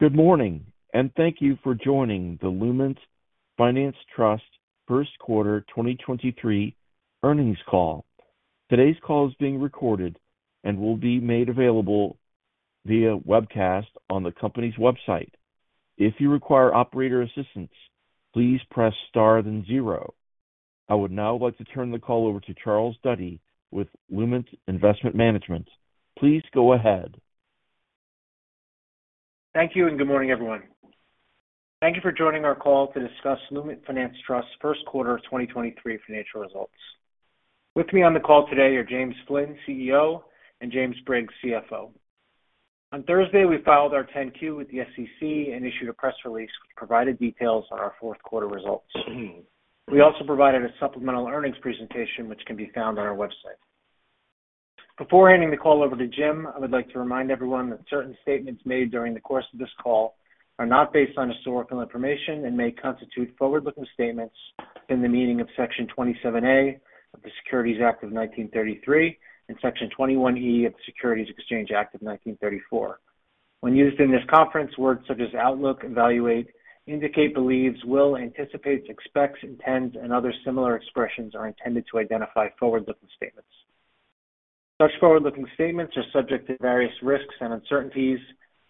Good morning, thank you for joining the Lument Finance Trust first quarter 2023 earnings call. Today's call is being recorded and will be made available via webcast on the company's website. If you require operator assistance, please press star then zero. I would now like to turn the call over to Charles Duddy with Lument Investment Management. Please go ahead. Thank you, good morning, everyone. Thank you for joining our call to discuss Lument Finance Trust first quarter of 2023 financial results. With me on the call today are James Flynn, CEO, and James Briggs, CFO. On Thursday, we filed our Form 10-Q with the SEC and issued a press release which provided details on our fourth quarter results. We also provided a supplemental earnings presentation, which can be found on our website. Before handing the call over to Jim, I would like to remind everyone that certain statements made during the course of this call are not based on historical information and may constitute forward-looking statements in the meaning of Section 27A of the Securities Act of 1933 and Section 21E of the Securities Exchange Act of 1934. When used in this conference, words such as outlook, evaluate, indicate, believes, will, anticipates, expects, intends, and other similar expressions are intended to identify forward-looking statements. Such forward-looking statements are subject to various risks and uncertainties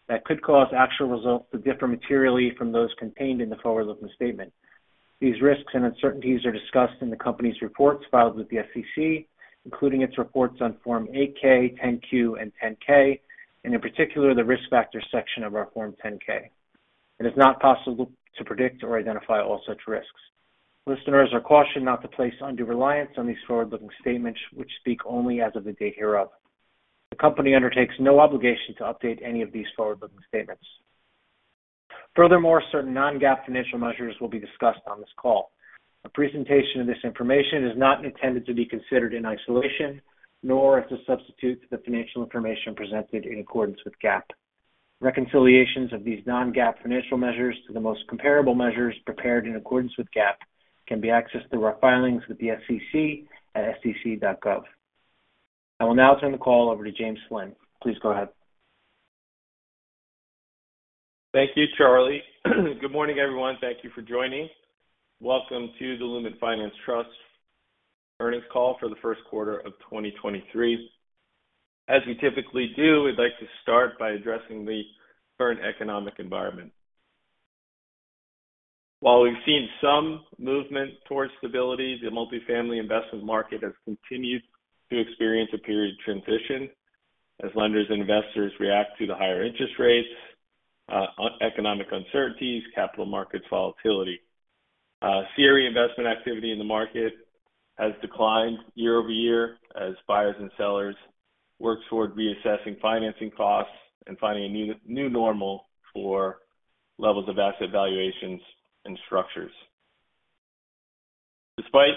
that could cause actual results to differ materially from those contained in the forward-looking statement. These risks and uncertainties are discussed in the company's reports filed with the SEC, including its reports on Form 8-K, 10-Q, and 10-K, and in particular, the risk factors section of our Form 10-K. It is not possible to predict or identify all such risks. Listeners are cautioned not to place undue reliance on these forward-looking statements which speak only as of the date hereof. The company undertakes no obligation to update any of these forward-looking statements. Certain non-GAAP financial measures will be discussed on this call. A presentation of this information is not intended to be considered in isolation, nor is a substitute to the financial information presented in accordance with GAAP. Reconciliations of these non-GAAP financial measures to the most comparable measures prepared in accordance with GAAP can be accessed through our filings with the SEC at sec.gov. I will now turn the call over to James Flynn. Please go ahead. Thank you, Charlie. Good morning, everyone. Thank you for joining. Welcome to the Lument Finance Trust earnings call for the first quarter of 2023. As we typically do, we'd like to start by addressing the current economic environment. While we've seen some movement towards stability, the multifamily investment market has continued to experience a period of transition as lenders and investors react to the higher interest rates, economic uncertainties, capital markets volatility. CRE investment activity in the market has declined year-over-year as buyers and sellers work toward reassessing financing costs and finding a new normal for levels of asset valuations and structures. Despite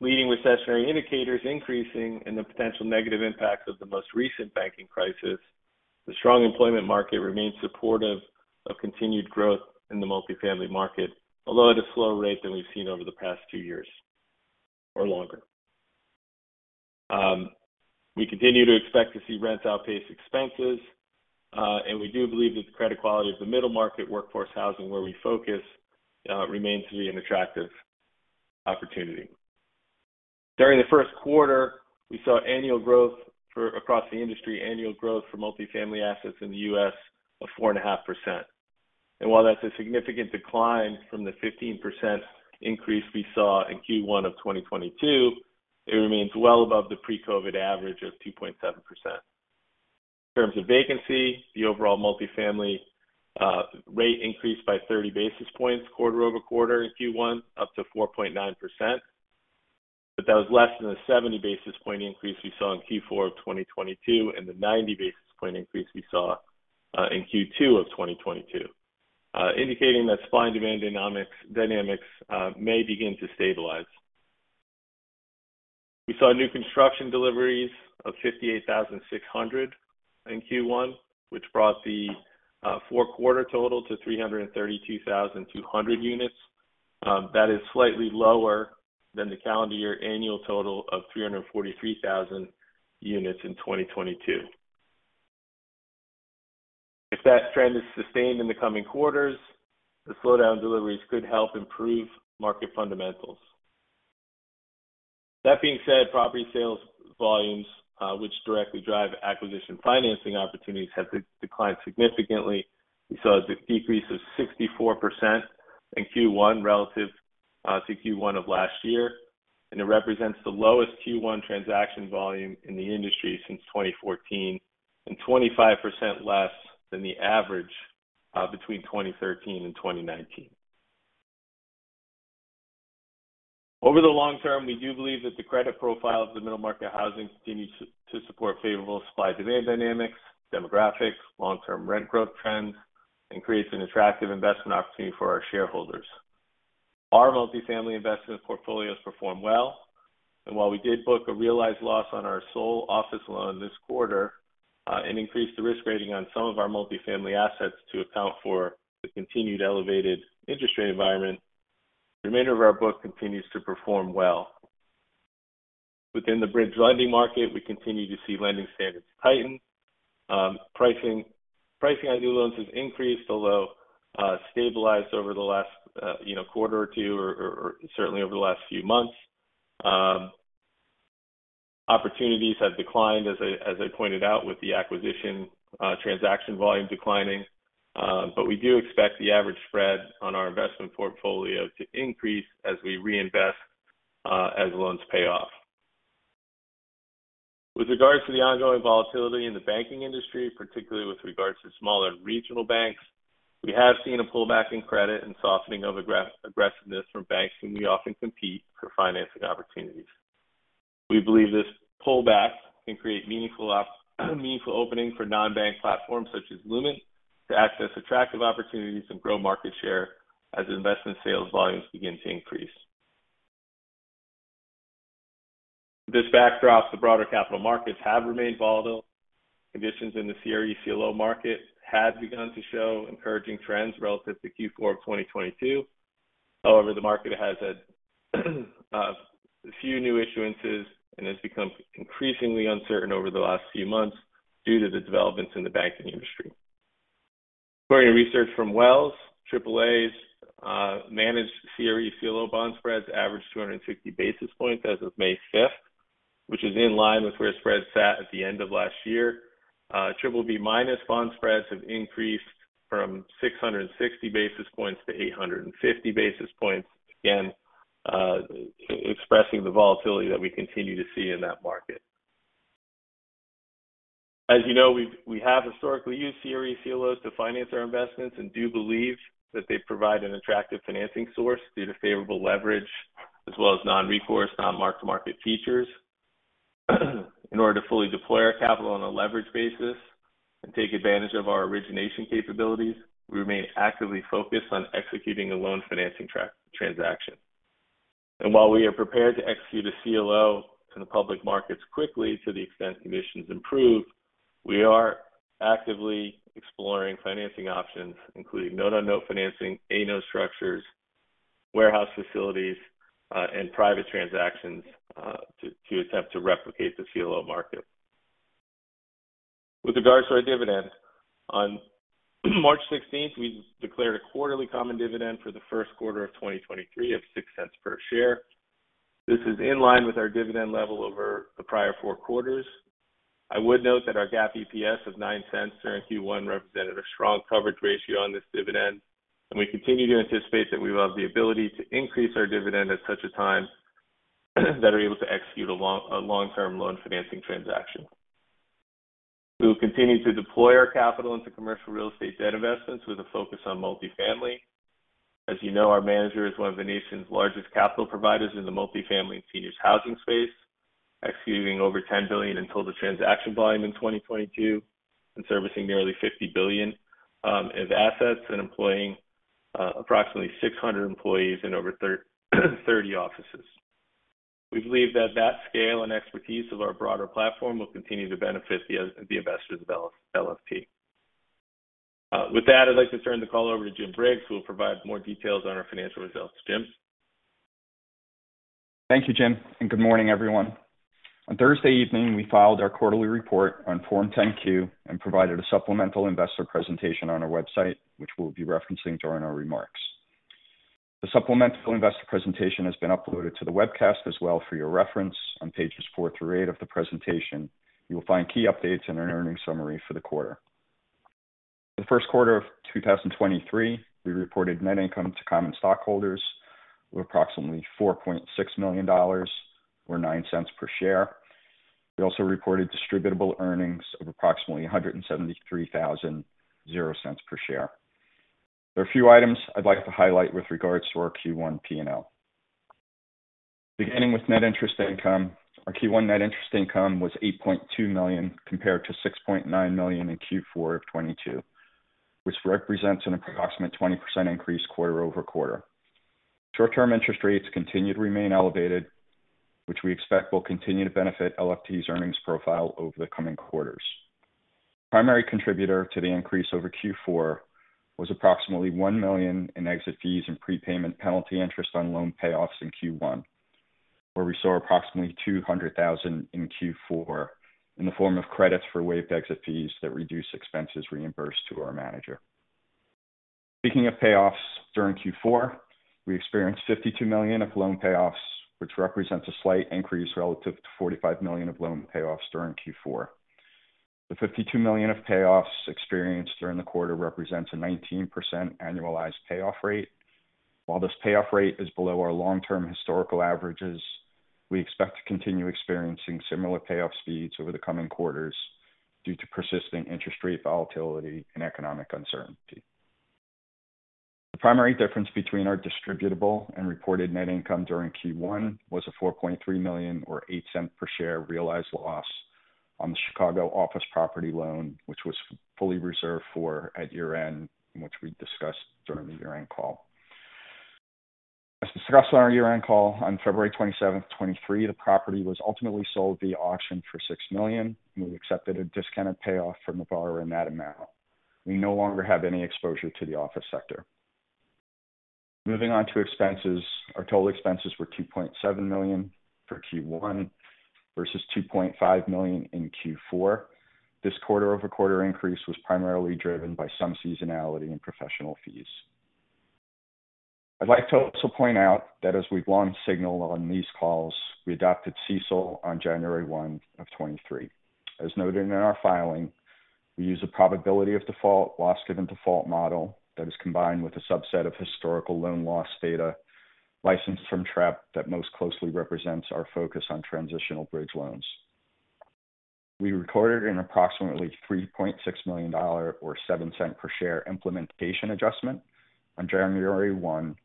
leading recessionary indicators increasing and the potential negative impacts of the most recent banking crisis, the strong employment market remains supportive of continued growth in the multifamily market, although at a slower rate than we've seen over the past two years or longer. We continue to expect to see rents outpace expenses, and we do believe that the credit quality of the middle market workforce housing where we focus, remains to be an attractive opportunity. During the 1st quarter, we saw annual growth for multifamily assets in the U.S. of 4.5%. While that's a significant decline from the 15% increase we saw in Q1 of 2022, it remains well above the pre-COVID average of 2.7%. In terms of vacancy, the overall multifamily rate increased by 30 basis points quarter-over-quarter in Q1 up to 4.9%. That was less than a 70 basis point increase we saw in Q4 of 2022 and the 90 basis point increase we saw in Q2 of 2022, indicating that supply and demand dynamics may begin to stabilize. We saw new construction deliveries of 58,600 in Q1, which brought the four-quarter total to 332,200 units. That is slightly lower than the calendar year annual total of 343,000 units in 2022. If that trend is sustained in the coming quarters, the slowdown deliveries could help improve market fundamentals. That being said, property sales volumes, which directly drive acquisition financing opportunities, have declined significantly. We saw a decrease of 64% in Q1 relative to Q1 of last year. It represents the lowest Q1 transaction volume in the industry since 2014 and 25% less than the average between 2013 and 2019. Over the long term, we do believe that the credit profile of the middle-market housing continues to support favorable supply-demand dynamics, demographics, long-term rent growth trends, and creates an attractive investment opportunity for our shareholders. Our multifamily investment portfolios perform well, and while we did book a realized loss on our sole office loan this quarter, and increased the risk rating on some of our multifamily assets to account for the continued elevated interest rate environment, the remainder of our book continues to perform well. Within the bridge lending market, we continue to see lending standards tighten. Pricing on new loans has increased, although stabilized over the last quarter or two, or certainly over the last few months. Opportunities have declined, as I pointed out, with the acquisition transaction volume declining. We do expect the average spread on our investment portfolio to increase as we reinvest as loans pay off. With regards to the ongoing volatility in the banking industry, particularly with regards to smaller regional banks, we have seen a pullback in credit and softening of aggression from banks whom we often compete for financing opportunities. We believe this pullback can create meaningful opening for non-bank platforms such as Lument to access attractive opportunities and grow market share as investment sales volumes begin to increase. This backdrop, the broader capital markets have remained volatile. Conditions in the CRE CLO market had begun to show encouraging trends relative to Q4 of 2022. The market has had a few new issuances and has become increasingly uncertain over the last few months due to the developments in the banking industry. According to research from Wells, AAAs managed CRE CLO bond spreads averaged 250 basis points as of May 5th, which is in line with where spreads sat at the end of last year. BBB- bond spreads have increased from 660 basis points to 850 basis points, again, expressing the volatility that we continue to see in that market. As you know, we have historically used CRE CLOs to finance our investments and do believe that they provide an attractive financing source due to favorable leverage as well as non-recourse, non-mark-to-market features. In order to fully deploy our capital on a leverage basis and take advantage of our origination capabilities, we remain actively focused on executing a loan financing transaction. While we are prepared to execute a CLO to the public markets quickly to the extent conditions improve, we are actively exploring financing options including note on note financing, A note structures, warehouse facilities, and private transactions to attempt to replicate the CLO market. With regards to our dividend, on March 16th, we declared a quarterly common dividend for the first quarter of 2023 of $0.06 per share. This is in line with our dividend level over the prior four quarters. I would note that our GAAP EPS of $0.09 during Q1 represented a strong coverage ratio on this dividend, and we continue to anticipate that we will have the ability to increase our dividend at such a time that are able to execute a long-term loan financing transaction. We will continue to deploy our capital into commercial real estate debt investments with a focus on multifamily. As you know, our manager is one of the nation's largest capital providers in the multifamily and seniors housing space, executing over $10 billion in total transaction volume in 2022 and servicing nearly $50 billion in assets and employing approximately 600 employees in over 30 offices. We believe that scale and expertise of our broader platform will continue to benefit the investors of LFT. With that, I'd like to turn the call over to Jim Briggs, who will provide more details on our financial results. Jim. Thank you, Jim, and good morning, everyone. On Thursday evening, we filed our quarterly report on Form 10-Q and provided a supplemental investor presentation on our website, which we'll be referencing during our remarks. The supplemental investor presentation has been uploaded to the webcast as well for your reference. On pages four through eight of the presentation, you will find key updates and an earnings summary for the quarter. The first quarter of 2023, we reported net income to common stockholders of approximately $4.6 million or $0.09 per share. We also reported distributable earnings of approximately $173,000, $0.00 per share. There are a few items I'd like to highlight with regards to our Q1 P&L. Beginning with net interest income, our Q1 net interest income was $8.2 million compared to $6.9 million in Q4 of 2022, which represents an approximate 20% increase quarter-over-quarter. Short-term interest rates continue to remain elevated, which we expect will continue to benefit LFT's earnings profile over the coming quarters. Primary contributor to the increase over Q4 was approximately $1 million in exit fees and prepayment penalty interest on loan payoffs in Q1, where we saw approximately $200,000 in Q4 in the form of credits for waived exit fees that reduce expenses reimbursed to our manager. Speaking of payoffs, during Q4, we experienced $52 million of loan payoffs, which represents a slight increase relative to $45 million of loan payoffs during Q4. The $52 million of payoffs experienced during the quarter represents a 19% annualized payoff rate. While this payoff rate is below our long-term historical averages, we expect to continue experiencing similar payoff speeds over the coming quarters due to persisting interest rate volatility and economic uncertainty. The primary difference between our distributable and reported net income during Q1 was a $4.3 million or $0.08 per share realized loss on the Chicago office property loan, which was fully reserved for at year-end, which we discussed during the year-end call. As discussed on our year-end call on February 27, 2023, the property was ultimately sold via auction for $6 million. We accepted a discounted payoff from the borrower in that amount. We no longer have any exposure to the office sector. Moving on to expenses. Our total expenses were $2.7 million for Q1 versus $2.5 million in Q4. This quarter-over-quarter increase was primarily driven by some seasonality in professional fees. I'd like to also point out that as we've long signaled on these calls, we adopted CECL on January 1, 2023. As noted in our filing, we use a probability of default, loss given default model that is combined with a subset of historical loan loss data licensed from Trepp that most closely represents our focus on transitional bridge loans. We recorded an approximately $3.6 million or $0.07 per share implementation adjustment on January 1,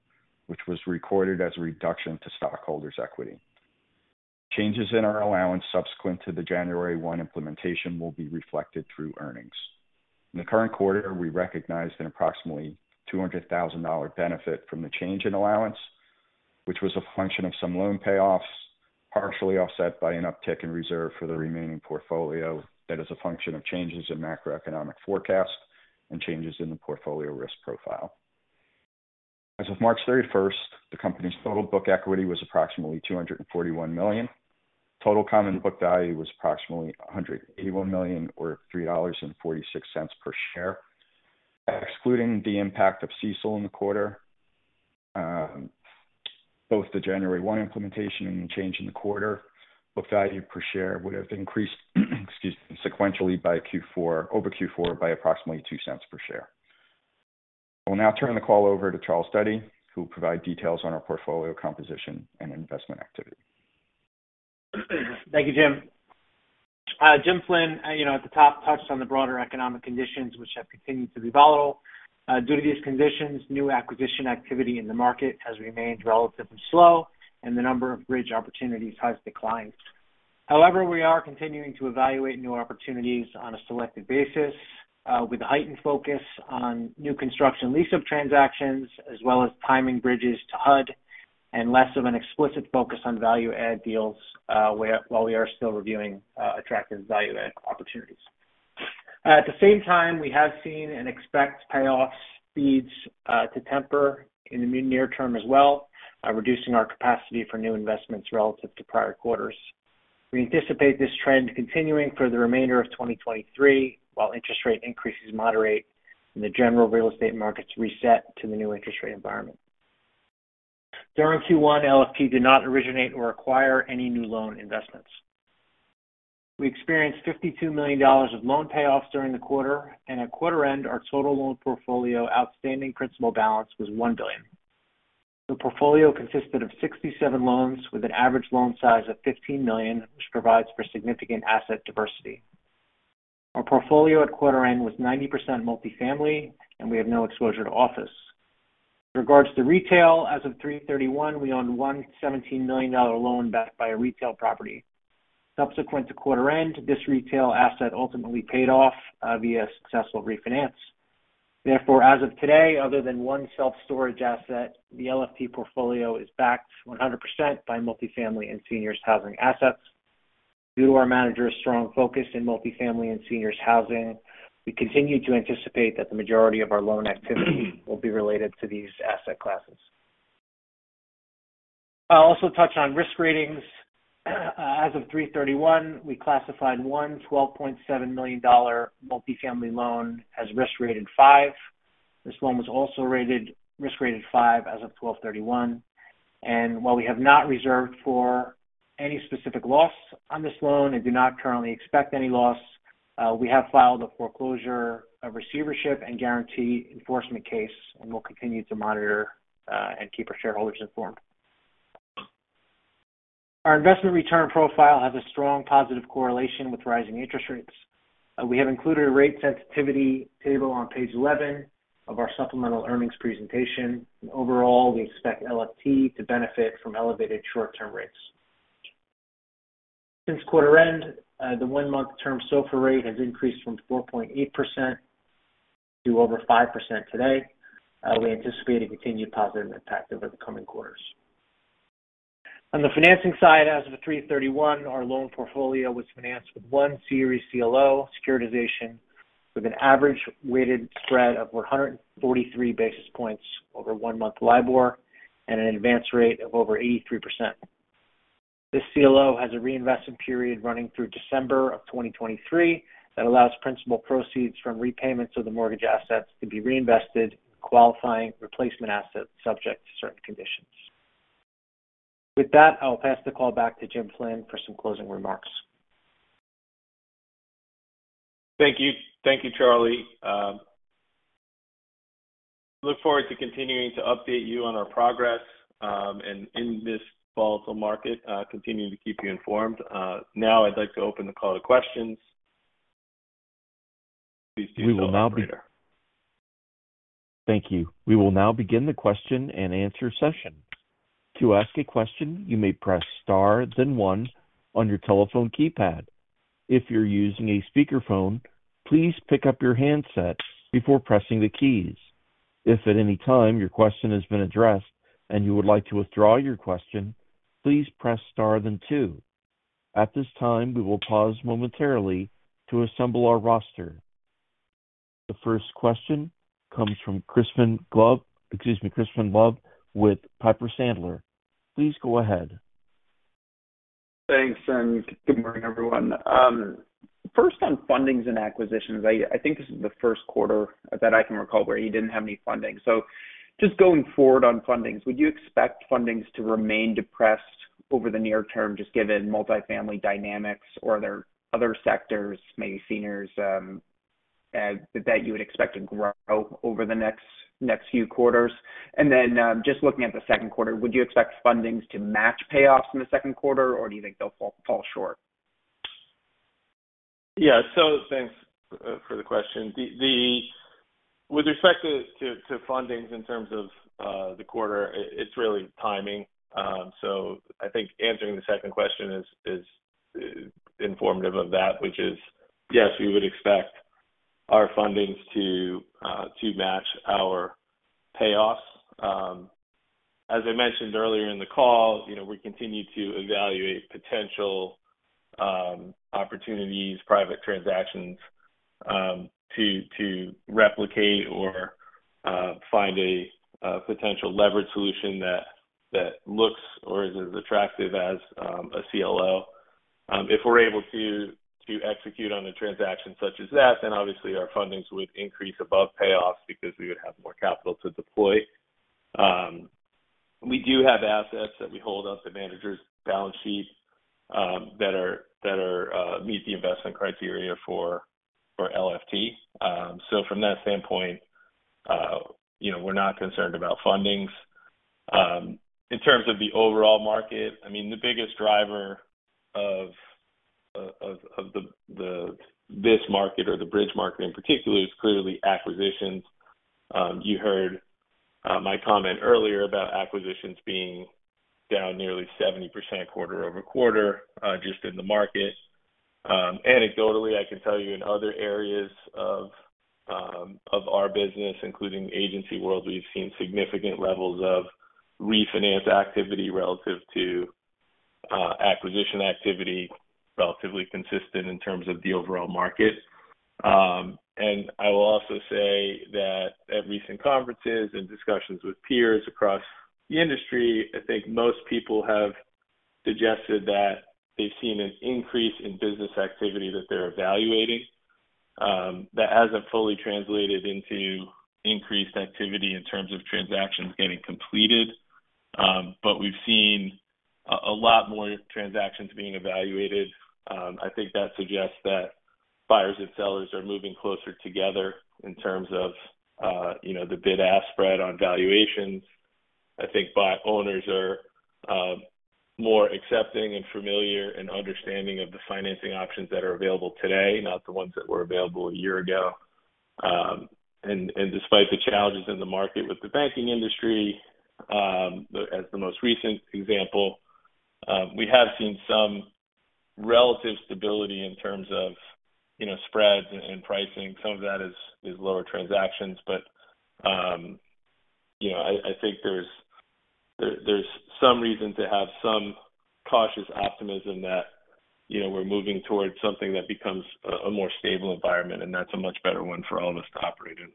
which was recorded as a reduction to stockholders' equity. Changes in our allowance subsequent to the January 1 implementation will be reflected through earnings. In the current quarter, we recognized an approximately $200,000 benefit from the change in allowance, which was a function of some loan payoffs, partially offset by an uptick in reserve for the remaining portfolio. That is a function of changes in macroeconomic forecasts and changes in the portfolio risk profile. As of March 31st, the company's total book equity was approximately $241 million. Total common book value was approximately $181 million or $3.46 per share. Excluding the impact of CECL in the quarter, both the January 1 implementation and change in the quarter, book value per share would have increased, excuse me, sequentially over Q4 by approximately $0.02 per share. I will now turn the call over to Charles Duddy, who will provide details on our portfolio composition and investment activity. Thank you, Jim. Jim Flynn, you know, at the top, touched on the broader economic conditions which have continued to be volatile. Due to these conditions, new acquisition activity in the market has remained relatively slow and the number of bridge opportunities has declined. However, we are continuing to evaluate new opportunities on a selective basis, with a heightened focus on new construction lease-up transactions as well as timing bridges to HUD and less of an explicit focus on value add deals, while we are still reviewing attractive value add opportunities. At the same time, we have seen and expect payoff speeds to temper in the near term as well, reducing our capacity for new investments relative to prior quarters. We anticipate this trend continuing for the remainder of 2023, while interest rate increases moderate and the general real estate markets reset to the new interest rate environment. During Q1, LFT did not originate or acquire any new loan investments. We experienced $52 million of loan payoffs during the quarter and at quarter end, our total loan portfolio outstanding principal balance was $1 billion. The portfolio consisted of 67 loans with an average loan size of $15 million, which provides for significant asset diversity. Our portfolio at quarter end was 90% multifamily and we have no exposure to office. With regards to retail, as of 3/31, we own a $117 million loan backed by a retail property. Subsequent to quarter end, this retail asset ultimately paid off via successful refinance. As of today, other than one self-storage asset, the LFT portfolio is backed 100% by multifamily and seniors housing assets. Due to our managers' strong focus in multifamily and seniors housing, we continue to anticipate that the majority of our loan activity will be related to these asset classes. I'll also touch on risk ratings. As of 3/31, we classified $112.7 million multifamily loan as risk rated 5. This loan was also risk rated 5 as of 12/31. While we have not reserved for any specific loss on this loan and do not currently expect any loss, we have filed a foreclosure, a receivership, and guarantee enforcement case, and we'll continue to monitor and keep our shareholders informed. Our investment return profile has a strong positive correlation with rising interest rates. We have included a rate sensitivity table on page 11 of our supplemental earnings presentation. Overall, we expect LFT to benefit from elevated short-term rates. Since quarter end, the 1-month term SOFR rate has increased from 4.8% to over 5% today. We anticipate a continued positive impact over the coming quarters. On the financing side, as of 3/31, our loan portfolio was financed with one series CLO securitization with an average weighted spread of 143 basis points over 1-month LIBOR and an advance rate of over 83%. This CLO has a reinvestment period running through December of 2023 that allows principal proceeds from repayments of the mortgage assets to be reinvested in qualifying replacement assets subject to certain conditions. With that, I'll pass the call back to Jim Flynn for some closing remarks. Thank you. Thank you, Charlie. Look forward to continuing to update you on our progress, and in this volatile market, continuing to keep you informed. Now I'd like to open the call to questions. Please do so We will now begin. Thank you. We will now begin the question and answer session. To ask a question, you may press star then one on your telephone keypad. If you're using a speakerphone, please pick up your handset before pressing the keys. If at any time your question has been addressed and you would like to withdraw your question, please press star then two. At this time, we will pause momentarily to assemble our roster. The first question comes from Crispin Love, excuse me, Crispin Love with Piper Sandler. Please go ahead. Thanks, good morning, everyone. First on fundings and acquisitions. I think this is the first quarter that I can recall where you didn't have any funding. Just going forward on fundings, would you expect fundings to remain depressed over the near term, just given multi-family dynamics or other sectors, maybe seniors, that you would expect to grow over the next few quarters? Just looking at the second quarter, would you expect fundings to match payoffs in the second quarter, or do you think they'll fall short? Thanks for the question. With respect to fundings in terms of the quarter, it's really timing. I think answering the second question is informative of that, which is, yes, we would expect our fundings to match our payoffs. As I mentioned earlier in the call, you know, we continue to evaluate potential opportunities, private transactions, to replicate or find a potential leverage solution that looks or is as attractive as a CLO. If we're able to execute on a transaction such as that, then obviously our fundings would increase above payoffs because we would have more capital to deploy. We do have assets that we hold on the managers' balance sheet that meet the investment criteria for LFT. From that standpoint, you know, we're not concerned about fundings. In terms of the overall market, I mean, the biggest driver of this market or the bridge market in particular is clearly acquisitions. You heard my comment earlier about acquisitions being down nearly 70% quarter-over-quarter, just in the market. Anecdotally, I can tell you in other areas of our business, including agency world, we've seen significant levels of refinance activity relative to acquisition activity, relatively consistent in terms of the overall market. I will also say that at recent conferences and discussions with peers across the industry, I think most people have suggested that they've seen an increase in business activity that they're evaluating, that hasn't fully translated into increased activity in terms of transactions getting completed. We've seen a lot more transactions being evaluated. I think that suggests that buyers and sellers are moving closer together in terms of, you know, the bid-ask spread on valuations. I think owners are more accepting and familiar and understanding of the financing options that are available today, not the ones that were available a year ago. Despite the challenges in the market with the banking industry, as the most recent example, we have seen some relative stability in terms of, you know, spreads and pricing. Some of that is lower transactions. you know, I think there's some reason to have some cautious optimism that, you know, we're moving towards something that becomes a more stable environment, and that's a much better one for all of us to operate in.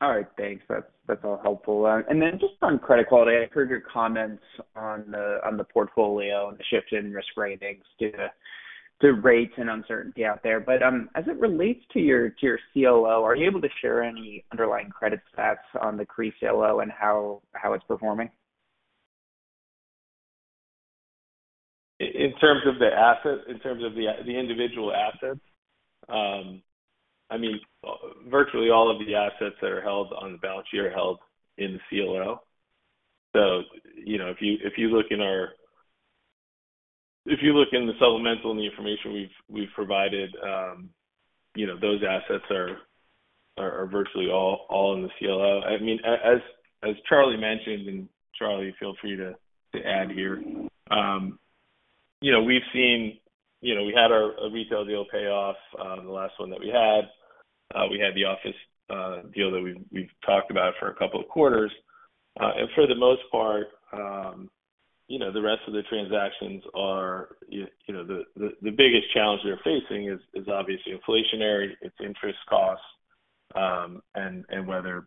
All right. Thanks. That's all helpful. Just on credit quality, I heard your comments on the portfolio and the shift in risk ratings due to rates and uncertainty out there. As it relates to your CLO, are you able to share any underlying credit stats on the CRE CLO and how it's performing? In terms of the asset, in terms of the individual assets, I mean, virtually all of the assets that are held on the balance sheet are held in the CLO. You know, if you look in the supplemental and the information we've provided, you know, those assets are virtually all in the CLO. I mean, as Charlie mentioned, Charlie, feel free to add here. You know, we've seen, you know, we had a retail deal pay off, the last one that we had. We had the office deal that we've talked about for a couple of quarters. For the most part, you know, the rest of the transactions are, you know, the biggest challenge they're facing is obviously inflationary, it's interest costs, and whether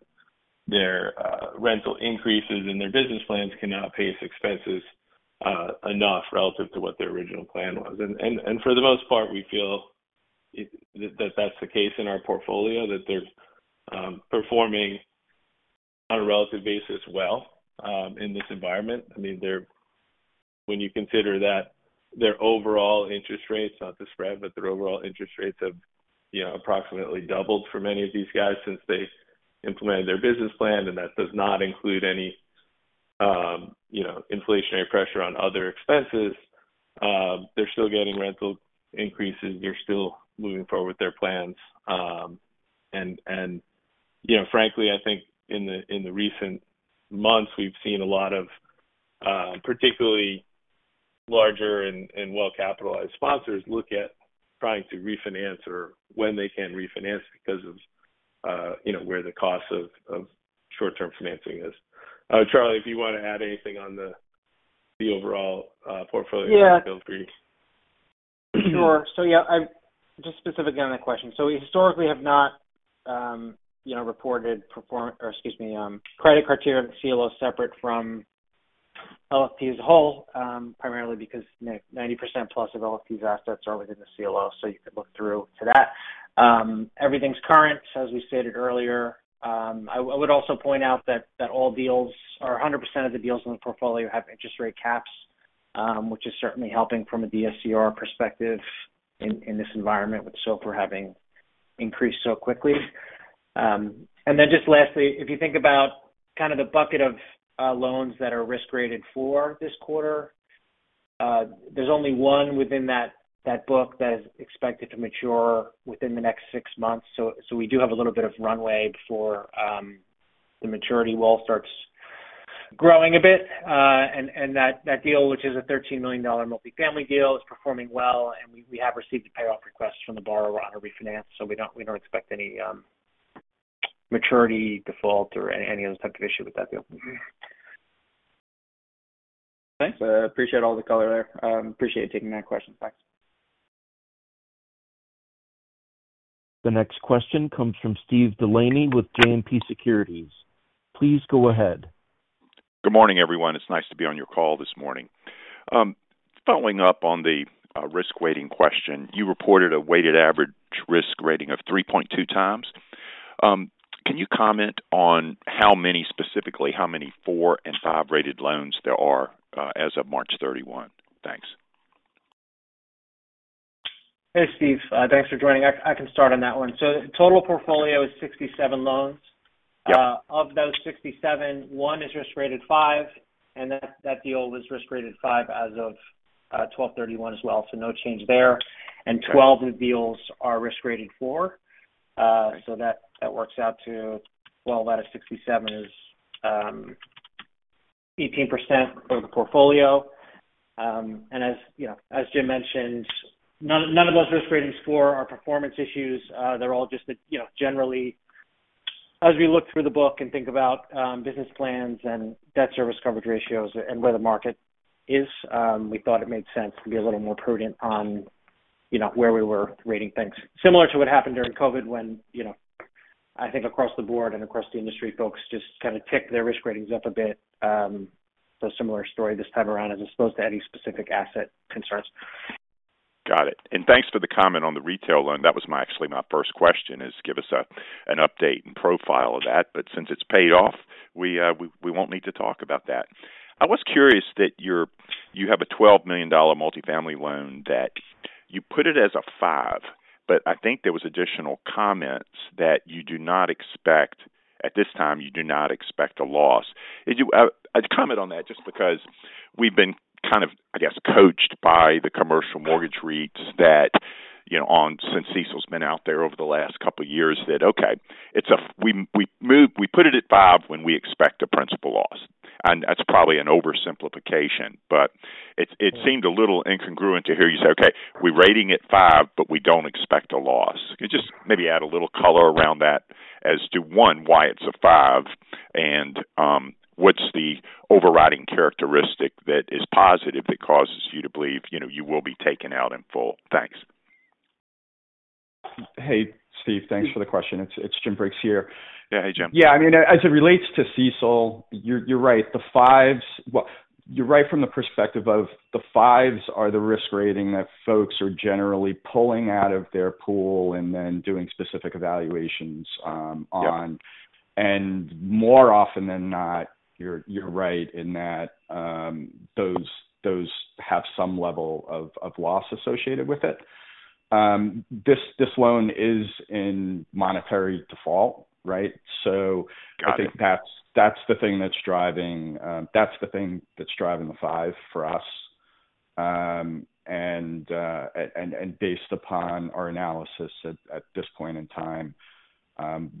their rental increases and their business plans can now pace expenses enough relative to what their original plan was. For the most part, we feel that that's the case in our portfolio, that they're performing on a relative basis well in this environment. I mean, when you consider that their overall interest rates, not the spread, but their overall interest rates have, you know, approximately doubled for many of these guys since they implemented their business plan, and that does not include any, you know, inflationary pressure on other expenses. They're still getting rental increases. They're still moving forward with their plans. You know, frankly, I think in the, in the recent months, we've seen a lot of, particularly larger and well-capitalized sponsors look at trying to refinance or when they can refinance because of, you know, where the cost of short-term financing is. Charlie, if you wanna add anything on the overall portfolio-? Yeah. field read. Sure. Yeah, just specific on that question. We historically have not, you know, reported or excuse me, credit criteria of the CLO separate from LFT as a whole, primarily because 90% plus of LFT's assets are within the CLO. You could look through to that. Everything's current, as we stated earlier. I would also point out that all deals or 100% of the deals in the portfolio have interest rate caps, which is certainly helping from a DSCR perspective in this environment with SOFR having increased so quickly. And then just lastly, if you think about kind of the bucket of loans that are risk-graded for this quarter, there's only one within that book that is expected to mature within the next six months. We do have a little bit of runway before the maturity well starts growing a bit. And that deal, which is a $13 million multifamily deal, is performing well, and we have received a payoff request from the borrower on a refinance, so we don't expect any maturity default or any other type of issue with that deal. Thanks. I appreciate all the color there. Appreciate you taking that question. Thanks. The next question comes from Steve DeLaney with JMP Securities. Please go ahead. Good morning, everyone. It's nice to be on your call this morning. Following up on the risk-weighting question, you reported a weighted average risk rating of 3.2 times. Can you comment on how many, specifically how many four and five-rated loans there are as of March 31? Thanks. Hey, Steve. Thanks for joining. I can start on that one. The total portfolio is 67 loans. Yeah. Of those 67, one is risk-rated five, and that deal is risk-rated five as of 12/31 as well. No change there. 12 deals are risk-rated four. That works out to, well, out of 67 is 18% of the portfolio. As, you know, as Jim mentioned, none of those risk ratings four are performance issues. They're all just that, you know, generally as we look through the book and think about business plans and debt service coverage ratios and where the market is, we thought it made sense to be a little more prudent on, you know, where we were rating things. Similar to what happened during COVID when, you know, I think across the board and across the industry, folks just kind of ticked their risk ratings up a bit. Similar story this time around as opposed to any specific asset concerns. Got it. Thanks for the comment on the retail loan. That was actually my first question is give us an update and profile of that. Since it's paid off, we won't need to talk about that. I was curious that you have a $12 million multifamily loan that you put it as a five. I think there was additional comments that you do not expect at this time, you do not expect a loss. Do you, I'd comment on that just because we've been kind of, I guess, coached by the commercial mortgage reads that, you know, since CECL's been out there over the last couple years that, okay, we put it at five when we expect a principal loss. That's probably an oversimplification, but it seemed a little incongruent to hear you say, "Okay, we're rating it 5, but we don't expect a loss." Could you just maybe add a little color around that as to 1, why it's a 5 and, what's the overriding characteristic that is positive that causes you to believe, you know, you will be taken out in full? Thanks. Hey, Steve. Thanks for the question. It's Jim Briggs here. Yeah. Hey, Jim. Yeah. I mean, as it relates to CECL, you're right. Well, you're right from the perspective of the fives are the risk rating that folks are generally pulling out of their pool and then doing specific evaluations on. Yeah. More often than not, you're right in that, those have some level of loss associated with it. This loan is in monetary default, right? Got it. I think that's the thing that's driving, that's the thing that's driving the 5 for us. Based upon our analysis at this point in time,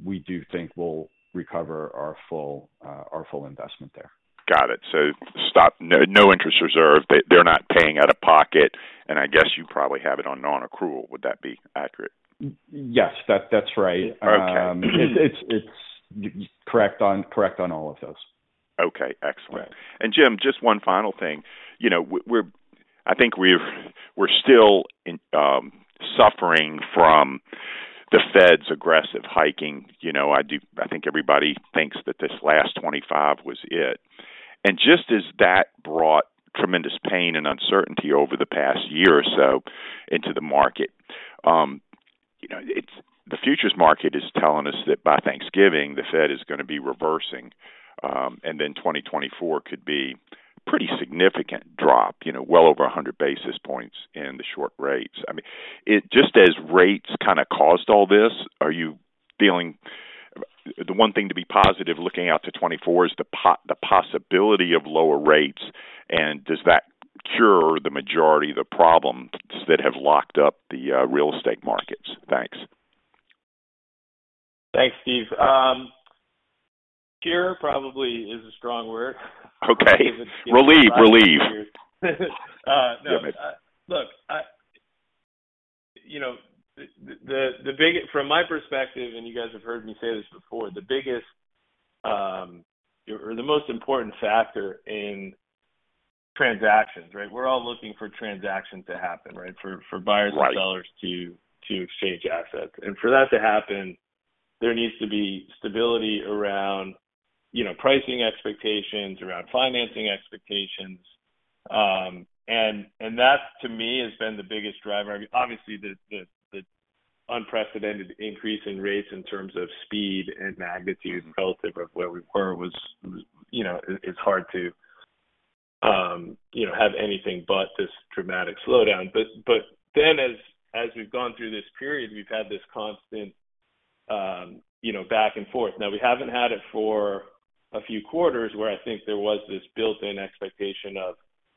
we do think we'll recover our full investment there. Got it. no interest reserve. They're not paying out of pocket, and I guess you probably have it on non-accrual. Would that be accurate? Yes. That's right. Okay. It's correct on all of those. Okay. Excellent. Yeah. Jim, just one final thing. You know, I think we're still suffering from the Fed's aggressive hiking. You know, I think everybody thinks that this last 25 was it. Just as that brought tremendous pain and uncertainty over the past year or so into the market, you know, the futures market is telling us that by Thanksgiving, the Fed is gonna be reversing. Then 2024 could be pretty significant drop, you know, well over 100 basis points in the short rates. I mean, just as rates kinda caused all this, are you feeling the one thing to be positive looking out to 2024 is the possibility of lower rates? Does that cure the majority of the problems that have locked up the real estate markets? Thanks. Thanks, Steve. Cure probably is a strong word. Okay. Relief. Relief. No. look, From my perspective, and you guys have heard me say this before, the biggest, or the most important factor in transactions, right? We're all looking for transactions to happen, right? For buyers-- Right... and sellers to exchange assets. For that to happen, there needs to be stability around, you know, pricing expectations, around financing expectations. That to me has been the biggest driver. Obviously, the unprecedented increase in rates in terms of speed and magnitude relative of where we were was, you know, is hard to, you know, have anything but this dramatic slowdown. Then as we've gone through this period, we've had this constant, you know, back and forth. Now, we haven't had it for a few quarters where I think there was this built-in expectation of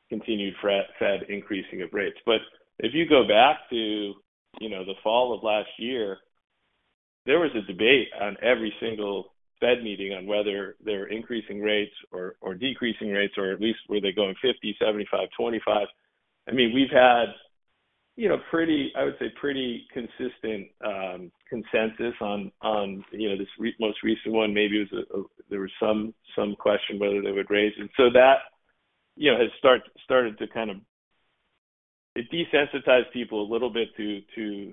continued Fed increasing of rates. If you go back to, you know, the fall of last year, there was a debate on every single Fed meeting on whether they're increasing rates or decreasing rates, or at least were they going 50, 75, 25. I mean, we've had, you know, I would say pretty consistent consensus on, you know, this most recent one, maybe there was some question whether they would raise. That, you know, has started to kind of. It desensitized people a little bit to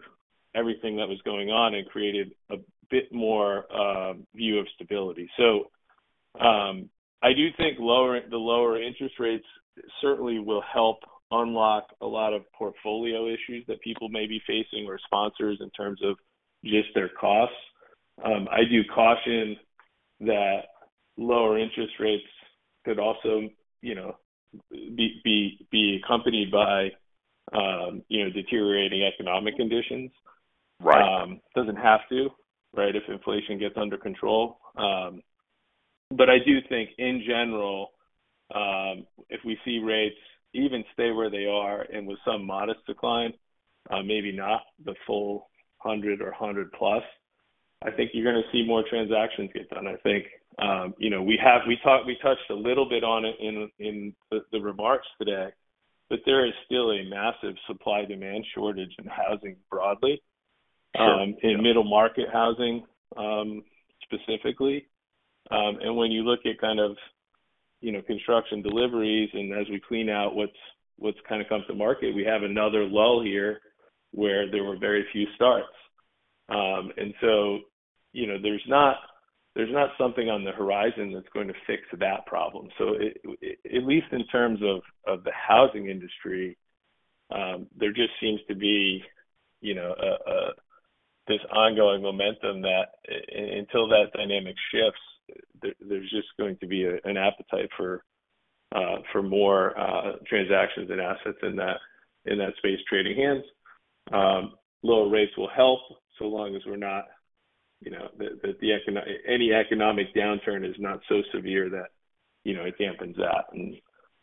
everything that was going on and created a bit more view of stability. I do think the lower interest rates certainly will help unlock a lot of portfolio issues that people may be facing or sponsors in terms of just their costs. I do caution that lower interest rates could also, you know, be accompanied by, you know, deteriorating economic conditions. Right. Doesn't have to, right, if inflation gets under control. I do think in general, if we see rates even stay where they are and with some modest decline, maybe not the full 100 or 100 plus, I think you're gonna see more transactions get done. I think, you know, we touched a little bit on it in the remarks today, but there is still a massive supply-demand shortage in housing broadly. Sure. Yeah. In middle market housing, specifically. When you look at kind of, you know, construction deliveries, and as we clean out what's kinda come to market, we have another lull here where there were very few starts. So, you know, there's not, there's not something on the horizon that's going to fix that problem. At least in terms of the housing industry, there just seems to be, you know, this ongoing momentum that until that dynamic shifts, there's just going to be an appetite for more transactions and assets in that space trading hands. Lower rates will help so long as we're not, you know, that any economic downturn is not so severe that, you know, it dampens that.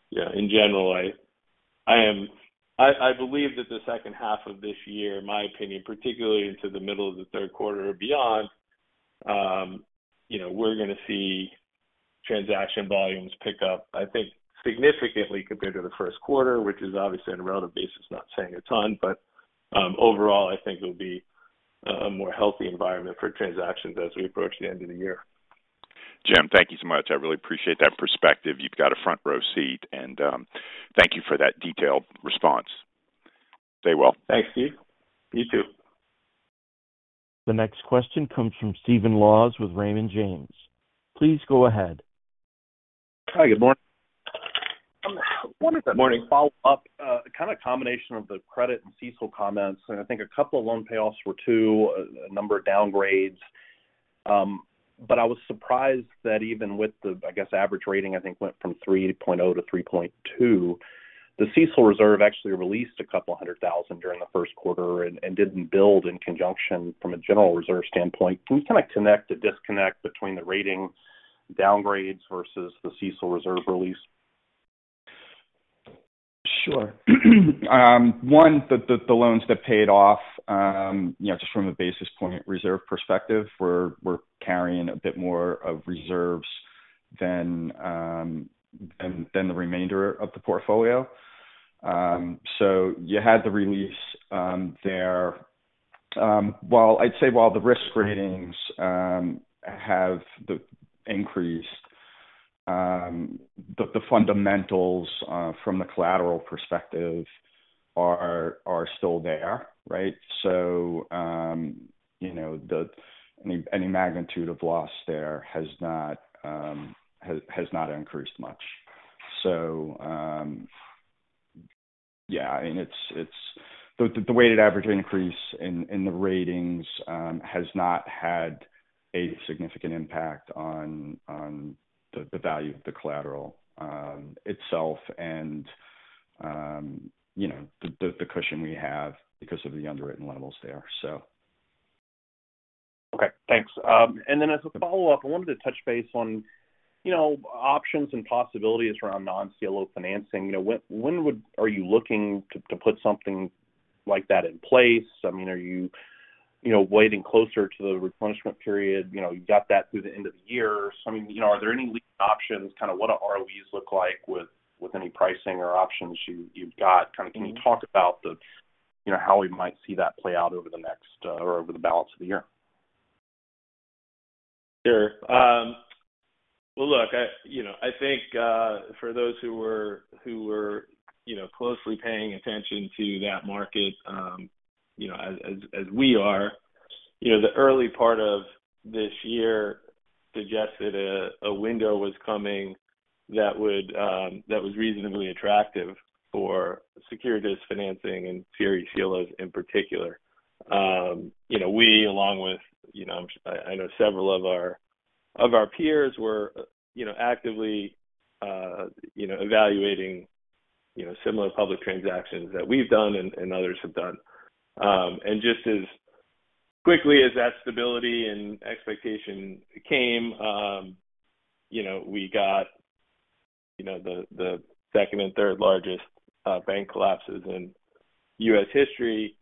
You know, in general, I believe that the second half of this year, in my opinion, particularly into the middle of the third quarter or beyond, you know, we're gonna see transaction volumes pick up, I think, significantly compared to the first quarter, which is obviously on a relative basis, not saying a ton. Overall, I think it'll be a more healthy environment for transactions as we approach the end of the year. Jim, thank you so much. I really appreciate that perspective. You've got a front-row seat. Thank you for that detailed response. Stay well. Thanks, Steve. You too. The next question comes from Stephen Laws with Raymond James. Please go ahead. Hi. Good morn- Morning. I wanted to follow up, kind of combination of the credit and CECL comments, and I think a couple of loan payoffs were, too, a number of downgrades. I was surprised that even with the, I guess, average rating, I think went from 3.0 to 3.2, the CECL reserve actually released $200,000 during the first quarter and didn't build in conjunction from a general reserve standpoint. Can you kind of connect the disconnect between the rating downgrades versus the CECL reserve release? Sure. One, the loans that paid off, you know, just from a basis point reserve perspective, we're carrying a bit more of reserves than the remainder of the portfolio. You had the release there. I'd say while the risk ratings have increased, the fundamentals from the collateral perspective are still there, right? You know, any magnitude of loss there has not increased much. It's the weighted average increase in the ratings has not had a significant impact on the value of the collateral itself and, you know, the cushion we have because of the underwritten levels there, so. Okay, thanks. As a follow-up, I wanted to touch base on, you know, options and possibilities around non-CLO financing. You know, when are you looking to put something like that in place? I mean, you know, waiting closer to the replenishment period, you know, you've got that through the end of the year. I mean, you know, are there any lease options? Kinda what do ROEs look like with any pricing or options you've got? Kinda can you talk about the, you know, how we might see that play out over the next or over the balance of the year? Sure. Well, look, I, you know, I think for those who were, you know, closely paying attention to that market, you know, as we are, you know, the early part of this year suggested a window was coming that would that was reasonably attractive for securities financing and CRE CLOs in particular. You know, we, along with, you know, I know several of our, of our peers were, you know, actively, you know, evaluating, you know, similar public transactions that we've done and others have done. Just as quickly as that stability and expectation came, you know, we got, you know, the second and third-largest bank collapses in U.S. history.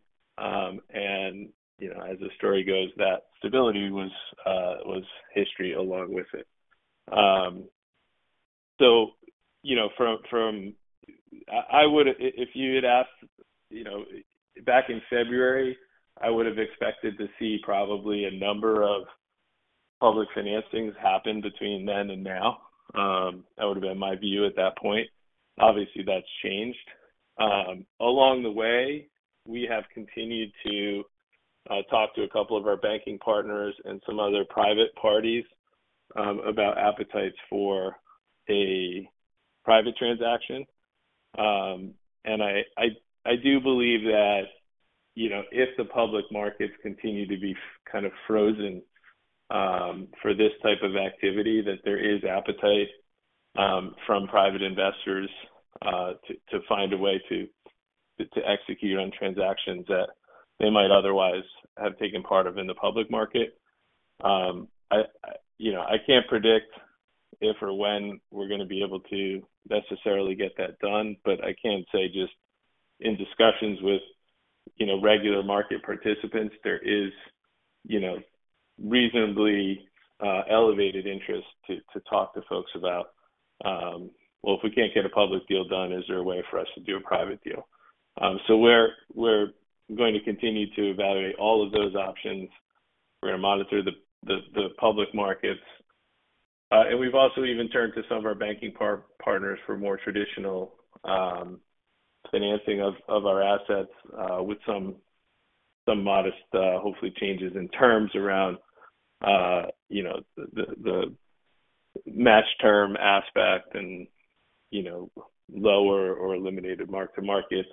You know, as the story goes, that stability was history along with it. You know, if you had asked, you know, back in February, I would have expected to see probably a number of public financings happen between then and now. That would have been my view at that point. Obviously, that's changed. Along the way, we have continued to talk to a couple of our banking partners and some other private parties about appetites for a private transaction. I do believe that, you know, if the public markets continue to be kind of frozen for this type of activity, that there is appetite from private investors to find a way to execute on transactions that they might otherwise have taken part of in the public market. I, you know, I can't predict if or when we're gonna be able to necessarily get that done, but I can say just in discussions with, you know, regular market participants, there is, you know, reasonably elevated interest to talk to folks about, well, if we can't get a public deal done, is there a way for us to do a private deal? We're going to continue to evaluate all of those options. We're gonna monitor the public markets. We've also even turned to some of our banking partners for more traditional financing of our assets, with some modest, hopefully changes in terms around, you know, the match term aspect and, you know, lower or eliminated mark-to-market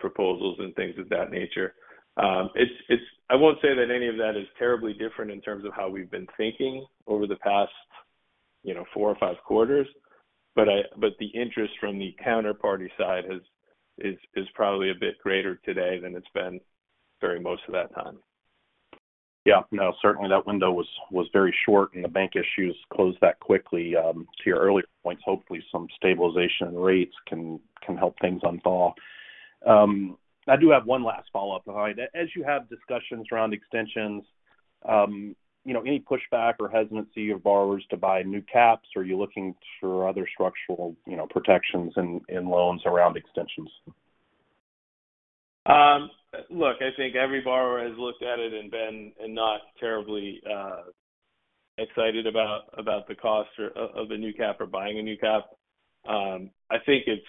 proposals and things of that nature. I won't say that any of that is terribly different in terms of how we've been thinking over the past, you know, four or five quarters, but the interest from the counterparty side is probably a bit greater today than it's been during most of that time. Yeah. No, certainly that window was very short and the bank issues closed that quickly. To your earlier points, hopefully some stabilization in rates can help things unthaw. I do have one last follow-up behind. As you have discussions around extensions, you know, any pushback or hesitancy of borrowers to buy new caps? Are you looking for other structural, you know, protections in loans around extensions? Look, I think every borrower has looked at it and been not terribly excited about the cost of a new cap or buying a new cap. I think it's,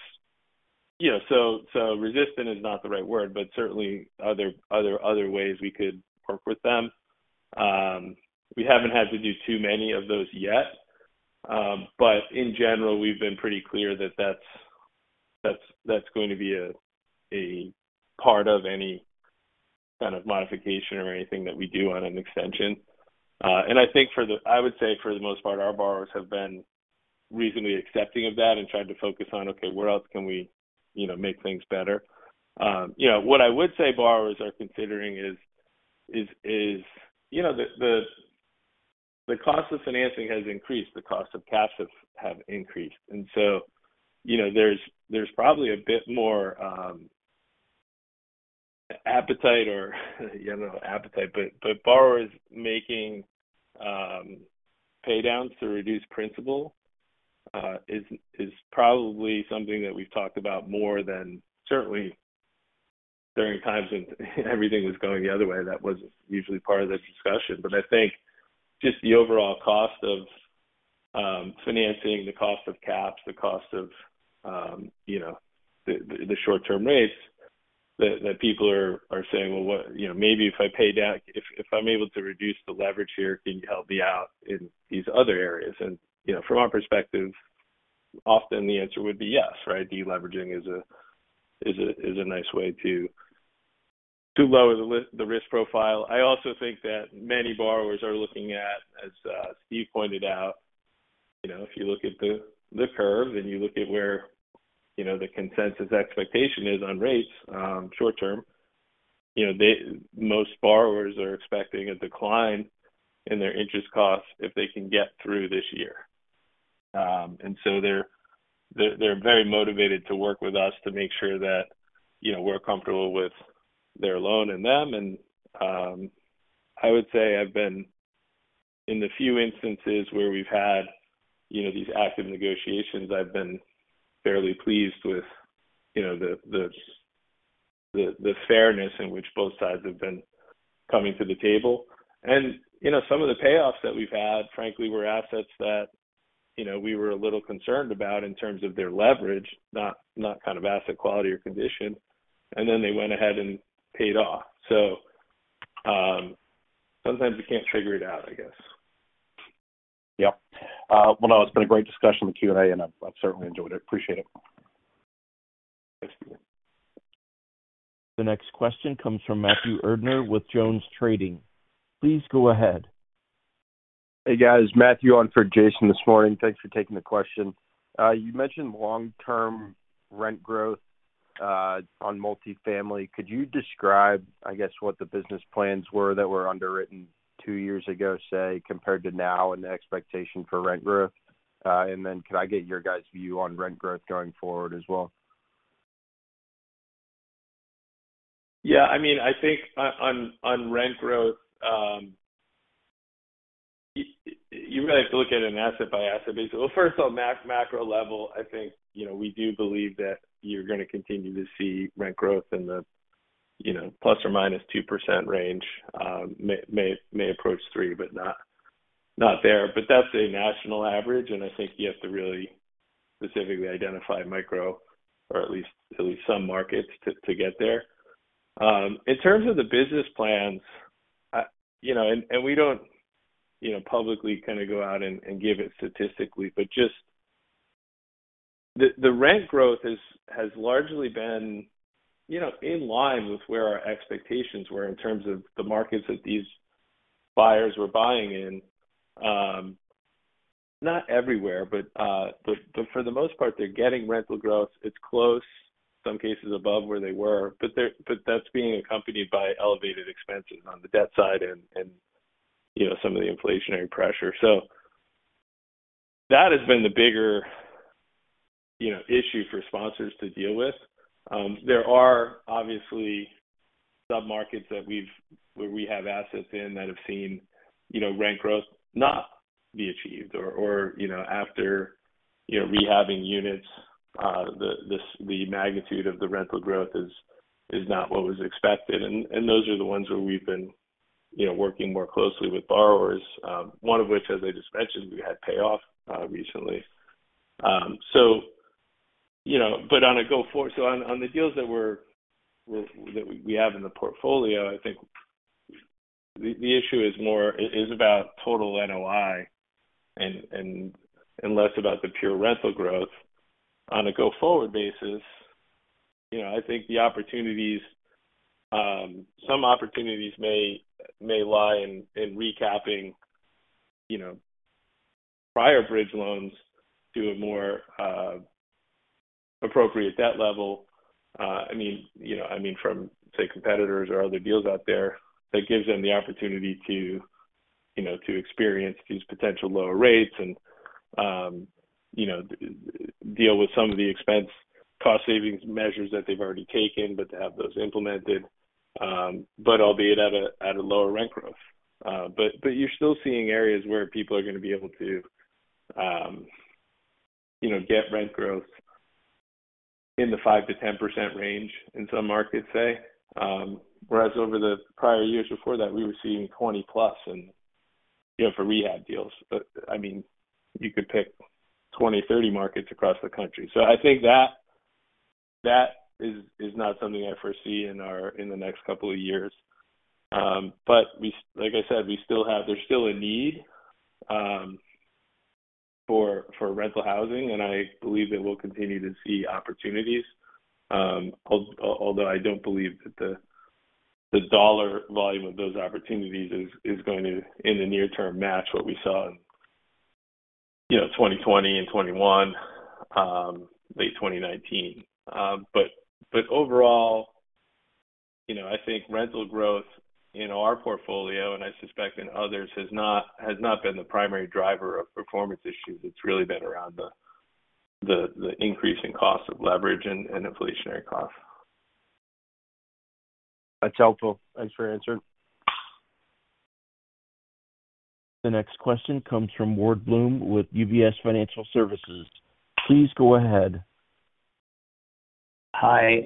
you know. Resistant is not the right word, but certainly other ways we could work with them. We haven't had to do too many of those yet. In general, we've been pretty clear that that's going to be a part of any kind of modification or anything that we do on an extension. I think for the I would say for the most part, our borrowers have been reasonably accepting of that and tried to focus on, okay, where else can we, you know, make things better? You know, what I would say borrowers are considering is, you know, the cost of financing has increased, the cost of caps have increased. You know, there's probably a bit more appetite or you know, appetite, but borrowers making pay downs to reduce principal, is probably something that we've talked about more than certainly during times when everything was going the other way. That wasn't usually part of the discussion. I think just the overall cost of financing, the cost of caps, the cost of, you know, the short-term rates that people are saying, "Well, you know, maybe if I pay down if I'm able to reduce the leverage here, can you help me out in these other areas?" You know, from our perspective, often the answer would be yes, right? Deleveraging is a nice way to lower the risk profile. I also think that many borrowers are looking at, as Steve pointed out, you know, if you look at the curve and you look at where, you know, the consensus expectation is on rates, short term, you know, most borrowers are expecting a decline in their interest costs if they can get through this year. They're very motivated to work with us to make sure that, you know, we're comfortable with their loan and them and, I would say I've been. In the few instances where we've had, you know, these active negotiations, I've been fairly pleased with, you know, the fairness in which both sides have been coming to the table. You know, some of the payoffs that we've had, frankly, were assets that, you know, we were a little concerned about in terms of their leverage, not kind of asset quality or condition, and then they went ahead and paid off. Sometimes you can't figure it out, I guess. Well, no, it's been a great discussion, the Q&A, and I've certainly enjoyed it. Appreciate it. Thanks. The next question comes from Matthew Erdner with JonesTrading. Please go ahead. Hey, guys. Matthew on for Jason this morning. Thanks for taking the question. You mentioned long-term rent growth on multifamily. Could you describe, I guess, what the business plans were that were underwritten two years ago, say, compared to now and the expectation for rent growth? Can I get your guys' view on rent growth going forward as well? Yeah. I mean, I think on rent growth, you really have to look at it asset by asset basically. Well, first on macro level, I think, you know, we do believe that you're gonna continue to see rent growth in the, you know, ±2% range, may approach 3%, but not there. That's a national average, and I think you have to really specifically identify micro or at least some markets to get there. In terms of the business plans, you know, and we don't, you know, publicly kinda go out and give it statistically, but just the rent growth has largely been, you know, in line with where our expectations were in terms of the markets that these buyers were buying in. Not everywhere, but for the most part, they're getting rental growth. It's close, some cases above where they were, but that's being accompanied by elevated expenses on the debt side and, you know, some of the inflationary pressure. That has been the bigger, you know, issue for sponsors to deal with. There are obviously submarkets where we have assets in that have seen, you know, rent growth not be achieved or, you know, after, you know, rehabbing units, the magnitude of the rental growth is not what was expected. Those are the ones where we've been, you know, working more closely with borrowers, one of which, as I just mentioned, we had payoff recently. You know, so on the deals that we have in the portfolio, I think the issue is about total NOI and less about the pure rental growth. On a go-forward basis, you know, I think the opportunities, some opportunities may lie in recapping, you know, prior bridge loans to a more appropriate debt level. I mean, you know... I mean, from, say, competitors or other deals out there, that gives them the opportunity to, you know, to experience these potential lower rates and, you know, deal with some of the expense cost savings measures that they've already taken, but to have those implemented, but albeit at a lower rent growth. But you're still seeing areas where people are gonna be able to, you know, get rent growth in the 5%-10% range in some markets, say. Whereas over the prior years before that, we were seeing 20%+ and, you know, for rehab deals. I mean, you could pick 20, 30 markets across the country. I think that is not something I foresee in the next couple of years. Like I said, there's still a need for rental housing, and I believe that we'll continue to see opportunities, although I don't believe that the dollar volume of those opportunities is going to, in the near term, match what we saw in, you know, 2020 and 2021, late 2019. Overall, you know, I think rental growth in our portfolio, and I suspect in others, has not been the primary driver of performance issues. It's really been around the increase in cost of leverage and inflationary costs. That's helpful. Thanks for answering. The next question comes from Ward Bloom with UBS Financial Services. Please go ahead. Hi.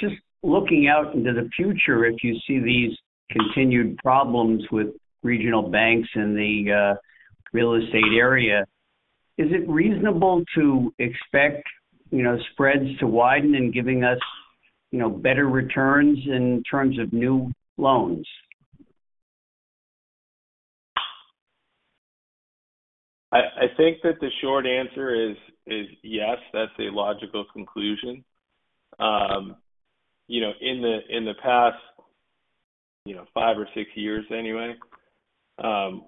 Just looking out into the future, if you see these continued problems with regional banks in the real estate area, is it reasonable to expect, you know, spreads to widen and giving us, you know, better returns in terms of new loans? I think that the short answer is yes, that's a logical conclusion. You know, in the past, you know, 5 or 6 years anyway,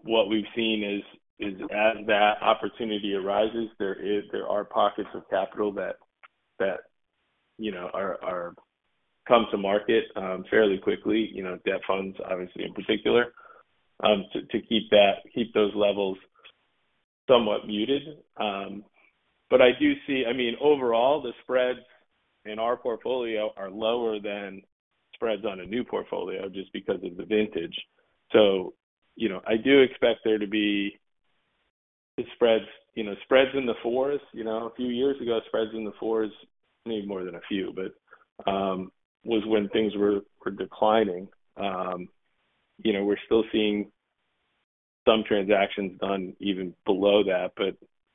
what we've seen is as that opportunity arises, there are pockets of capital that, you know, come to market fairly quickly, you know, debt funds obviously in particular, to keep that, keep those levels somewhat muted. I mean, overall, the spreads in our portfolio are lower than spreads on a new portfolio just because of the vintage. You know, I do expect there to be the spreads in the fours. You know, a few years ago, spreads in the fours, maybe more than a few, but was when things were declining. You know, we're still seeing some transactions done even below that.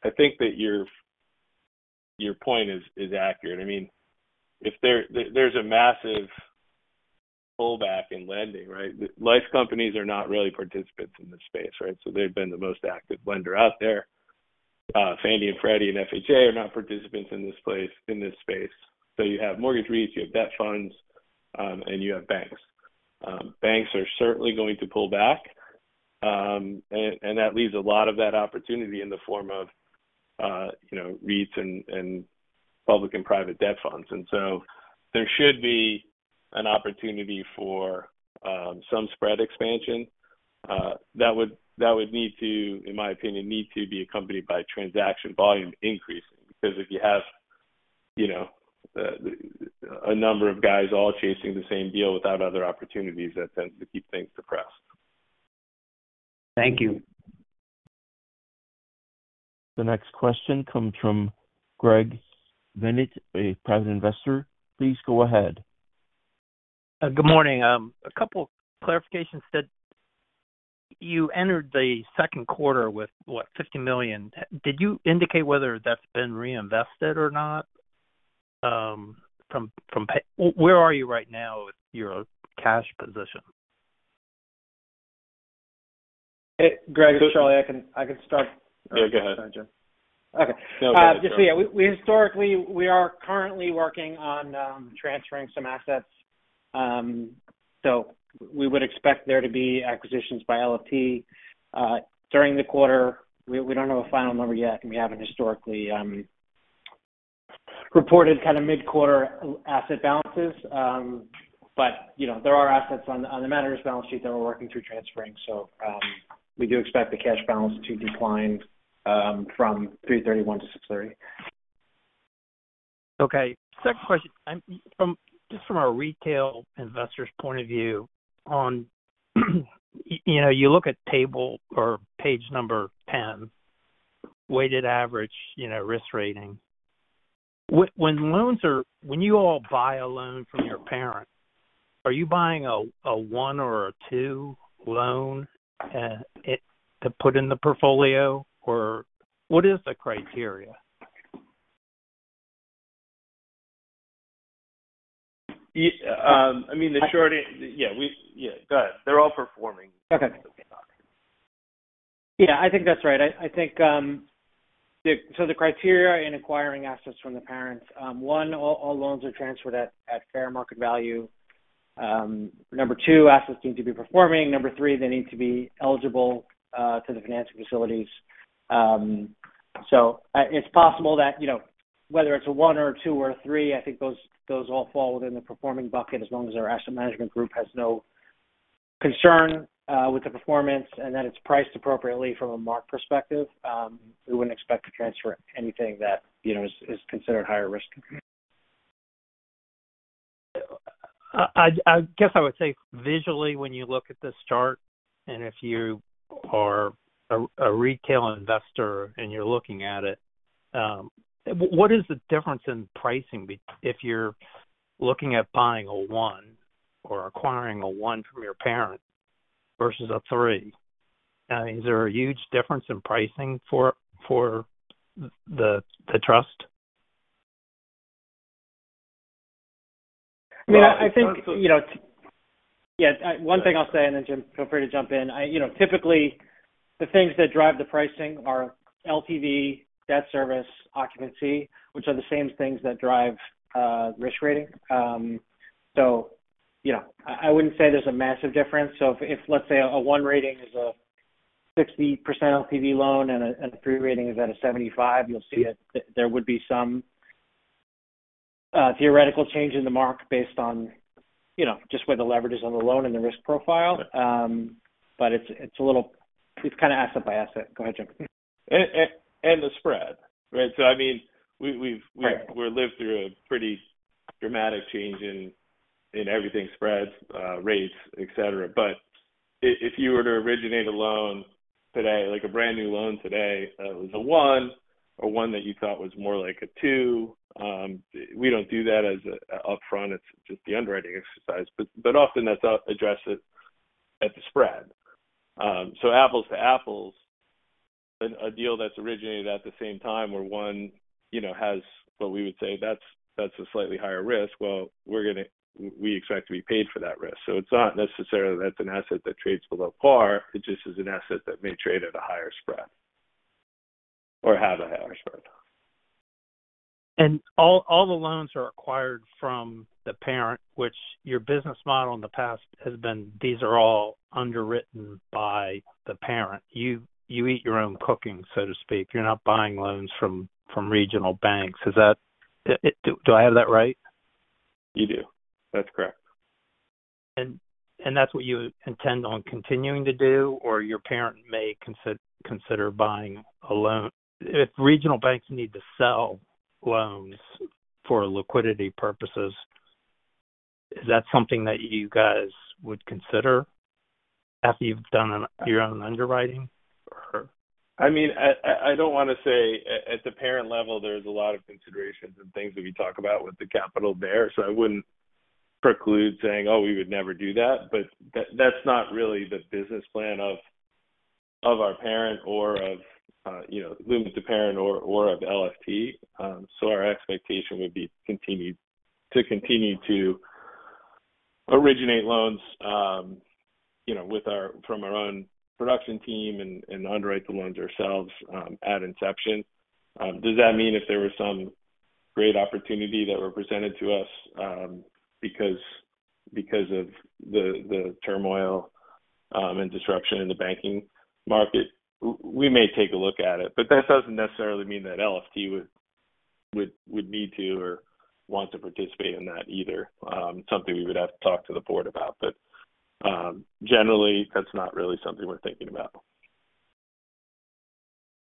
I think that your point is accurate. I mean, if there's a massive pullback in lending, right? Life companies are not really participants in this space, right? They've been the most active lender out there. Fannie and Freddie and FHA are not participants in this space. You have mortgage REITs, you have debt funds, and you have banks. Banks are certainly going to pull back, and that leaves a lot of that opportunity in the form of, you know, REITs and public and private debt funds. There should be an opportunity for some spread expansion that would, in my opinion, need to be accompanied by transaction volume increasing. If you have, you know, a number of guys all chasing the same deal without other opportunities, that tends to keep things depressed. Thank you. The next question comes from Greg Vennit, a private investor. Please go ahead. Good morning. A couple clarifications. You entered the second quarter with, what, $50 million. Did you indicate whether that's been reinvested or not, from pay? Where are you right now with your cash position? Hey, Greg, it's Charlie. I can start. Yeah, go ahead. Sorry, Jim. Okay. No, go ahead, Charlie. Just yeah. We historically, we are currently working on transferring some assets. We would expect there to be acquisitions by LFT during the quarter. We don't know a final number yet, and we haven't historically, kinda mid-quarter asset balances. You know, there are assets on the manager's balance sheet that we're working through transferring. We do expect the cash balance to decline from 3/31 to 6/30. Okay. Second question. From a retail investor's point of view on, you know, you look at table or page number 10, weighted average, you know, risk rating. When you all buy a loan from your parent, are you buying a 1 or a 2 loan to put in the portfolio? Or what is the criteria? I mean, Yeah, go ahead. They're all performing. Yeah, I think that's right. I think the criteria in acquiring assets from the parents, 1, all loans are transferred at fair market value. Number 2, assets need to be performing. Number 3, they need to be eligible to the financing facilities. It's possible that, you know, whether it's a 1 or a 2 or a 3, I think those all fall within the performing bucket as long as our asset management group has no concern with the performance and that it's priced appropriately from a mark perspective. We wouldn't expect to transfer anything that, you know, is considered higher risk. I guess I would say visually, when you look at this chart, and if you are a retail investor and you're looking at it, what is the difference in pricing if you're looking at buying a 1 or acquiring a 1 from your parent versus a 3? Is there a huge difference in pricing for the trust? Well. I mean, I think, you know, Yeah, one thing I'll say, and then Jim, feel free to jump in. You know, typically the things that drive the pricing are LTV, debt service, occupancy, which are the same things that drive risk rating. You know, I wouldn't say there's a massive difference. If let's say a 1 rating is a 60% LTV loan and a 3 rating is at a 75%, you'll see it. There would be some theoretical change in the mark based on, you know, just where the leverage is on the loan and the risk profile. It's a little. It's kinda asset by asset. Go ahead, Jim. The spread, right? I mean, we lived through a pretty dramatic change in everything spreads, rates, etcetera. If you were to originate a loan today, like a brand new loan today, it was a 1 or 1 that you thought was more like a 2, we don't do that as an upfront. It's just the underwriting exercise. Often that's addressed at the spread. Apples to apples, a deal that's originated at the same time where 1, you know, has what we would say that's a slightly higher risk, well, we expect to be paid for that risk. It's not necessarily that's an asset that trades below par, it just is an asset that may trade at a higher spread or have a higher spread. All the loans are acquired from the parent, which your business model in the past has been these are all underwritten by the parent. You eat your own cooking, so to speak. You're not buying loans from regional banks. Is that? Do I have that right? You do. That's correct. That's what you intend on continuing to do or your parent may consider buying a loan. If regional banks need to sell loans for liquidity purposes, is that something that you guys would consider after you've done your own underwriting or? I mean, I don't wanna say... At the parent level, there's a lot of considerations and things that we talk about with the capital there. I wouldn't preclude saying, "Oh, we would never do that." That's not really the business plan of our parent or of, you know, Lument to parent or of LFT. Our expectation would be to continue to originate loans, you know, from our own production team and underwrite the loans ourselves at inception. Does that mean if there was some great opportunity that were presented to us, because of the turmoil and disruption in the banking market? We may take a look at it. That doesn't necessarily mean that LFT would need to or want to participate in that either. Something we would have to talk to the board about. Generally, that's not really something we're thinking about.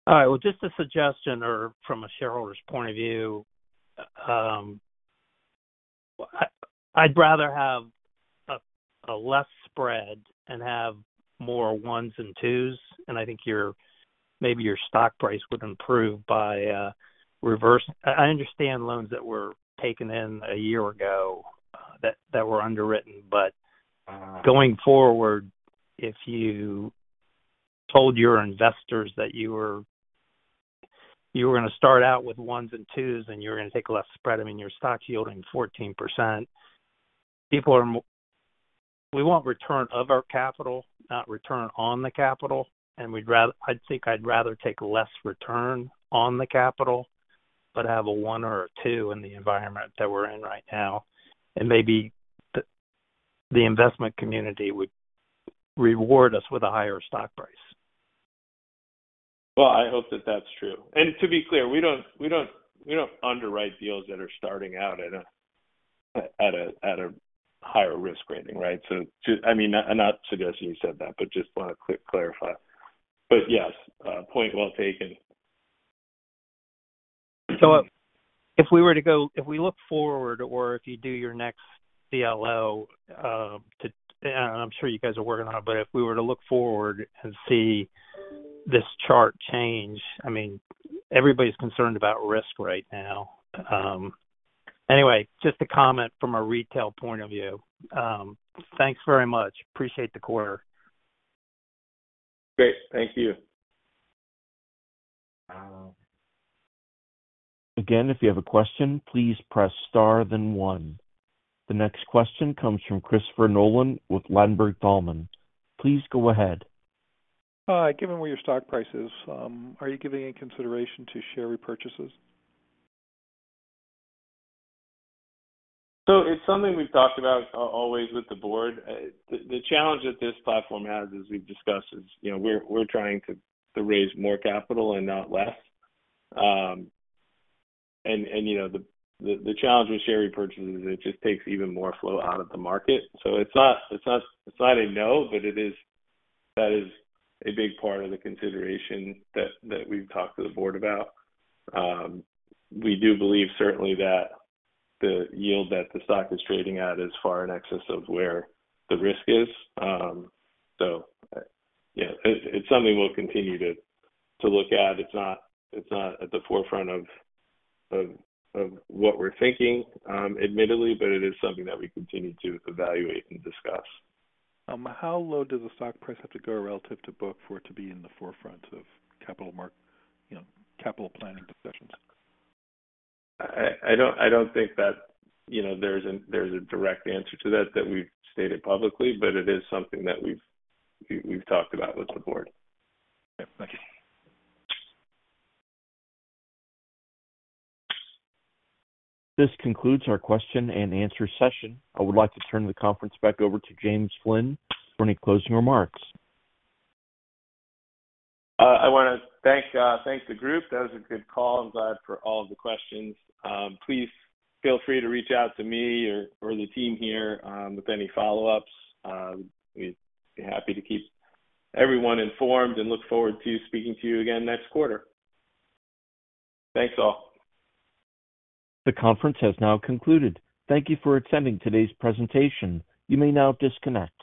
All right. Well, just a suggestion or from a shareholder's point of view. I'd rather have a less spread and have more ones and twos, and I think your, maybe your stock price would improve by reverse. I understand loans that were taken in a year ago that were underwritten. Uh-huh. going forward, if you told your investors that you were gonna start out with ones and twos and you were gonna take less spread, I mean, your stock's yielding 14%. People want return of our capital, not return on the capital. I'd think I'd rather take less return on the capital but have a one or a two in the environment that we're in right now. Maybe the investment community would reward us with a higher stock price. Well, I hope that that's true. To be clear, we don't underwrite deals that are starting out at a higher risk rating, right? I mean, I'm not suggesting you said that, but just wanna quick clarify. Yes, point well taken. If we look forward or if you do your next CLO, I'm sure you guys are working on, but if we were to look forward and see this chart change, I mean, everybody's concerned about risk right now. Anyway, just a comment from a retail point of view. Thanks very much. Appreciate the quarter. Great. Thank you. Again, if you have a question, please press star then one. The next question comes from Christopher Nolan with Ladenburg Thalmann. Please go ahead. Given where your stock price is, are you giving any consideration to share repurchases? It's something we've talked about always with the board. The challenge that this platform has, as we've discussed, is, you know, we're trying to raise more capital and not less. You know, the challenge with share repurchase is it just takes even more flow out of the market. It's not a no. That is a big part of the consideration that we've talked to the board about. We do believe certainly that the yield that the stock is trading at is far in excess of where the risk is. It's something we'll continue to look at. It's not at the forefront of what we're thinking, admittedly, but it is something that we continue to evaluate and discuss. How low does the stock price have to go relative to book for it to be in the forefront of capital, you know, capital planning discussions? I don't think that, you know, there's a, there's a direct answer to that we've stated publicly, but it is something that we've talked about with the board. Yeah. Thank you. This concludes our question and answer session. I would like to turn the conference back over to James Flynn for any closing remarks. I wanna thank the group. That was a good call. I'm glad for all of the questions. Please feel free to reach out to me or the team here, with any follow-ups. We'd be happy to keep everyone informed and look forward to speaking to you again next quarter. Thanks, all. The conference has now concluded. Thank you for attending today's presentation. You may now disconnect.